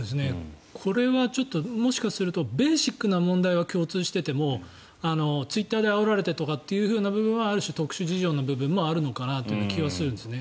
これはちょっともしかするとベーシックな問題は共通していても、ツイッターであおられてという部分はある種、特殊事情の部分もあるのかなという気がするんですよね。